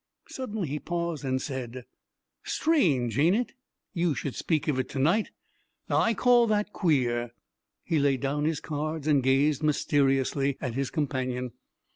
Suddenly he paused and said, "Strange, ain't it, you should speak of it to night? Now I call that queer!" He laid down his cards and gazed mysteriously at his companion.